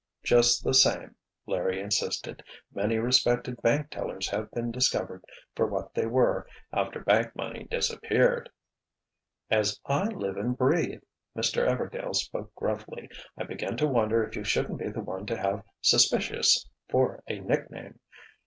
"Just the same," Larry insisted, "many respected bank tellers have been discovered for what they were after bank money disappeared." "As I live and breathe!" Mr. Everdail spoke gruffly, "I begin to wonder if you shouldn't be the one to have 'suspicious' for a nickname.